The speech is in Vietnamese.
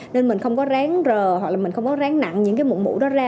nên mình không có ráng rờ hoặc là mình không có ráng nặng những cái mũ đó ra